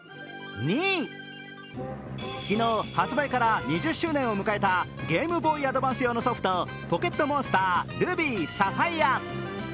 昨日、発売から２０周年を迎えたゲームボーイアドバンス用のソフト「ポケットモンスタールビー・サファイア」。